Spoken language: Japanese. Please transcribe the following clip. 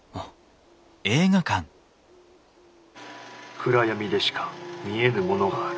暗闇でしか見えぬものがある。